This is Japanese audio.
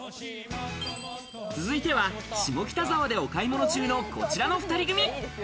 続いては下北沢でお買い物中のこちらの２人組。